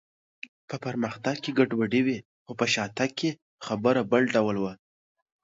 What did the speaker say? په پرمختګ کې ګډوډي وي، خو په شاتګ کې خبره بل ډول وه.